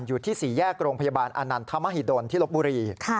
อยู่ที่๔แยกโรงพยาบาลอานันทมหิดลที่ลบบุรี